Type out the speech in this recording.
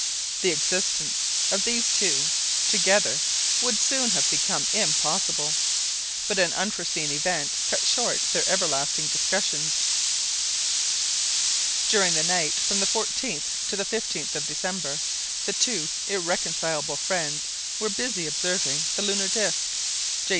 The existence of these two together would soon have become impossible; but an unforseen event cut short their everlasting discussions. During the night, from the 14th to the 15th of December, the two irreconcilable friends were busy observing the lunar disc, J.